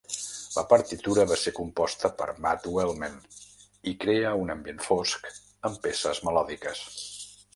La partitura va ser composta per Matt Uelmen i crea un ambient fosc amb peces melòdiques.